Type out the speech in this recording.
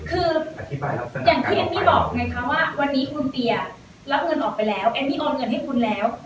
คืออย่างที่เอมมี่บอกไงคะว่าวันนี้คุณเดียรับเงินออกไปแล้วเอมมี่โอนเงินให้คุณแล้ว